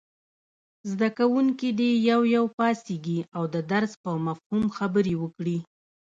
زده کوونکي دې یو یو پاڅېږي او د درس په مفهوم خبرې وکړي.